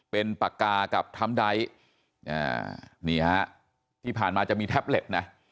เป็นปากกากับทัมไดท์นี่ฮะที่ผ่านมาจะมีแท็บเล็ตนะ